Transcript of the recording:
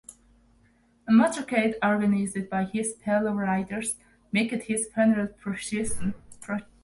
A motorcade organized by his fellow riders marked his funeral procession.